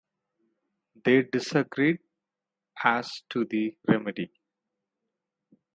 They disagreed as to the remedy.